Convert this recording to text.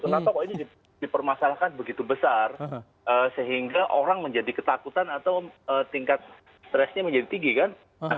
kenapa kok ini dipermasalahkan begitu besar sehingga orang menjadi ketakutan atau tingkat stresnya menjadi tinggi kan